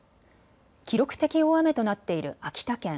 記録的大雨となっている秋田県。